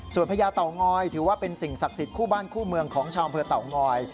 ส่วนพญาเตางอยถือว่าเป็นสิ่งศักดิ์สิทธิ์คู่บ้านคู่เมืองของชาวอำเภอเต่างอย